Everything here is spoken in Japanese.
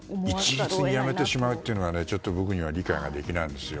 一律にやめてしまうのは僕には理解できないんですよ。